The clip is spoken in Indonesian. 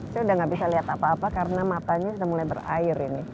saya udah gak bisa lihat apa apa karena matanya sudah mulai berair ini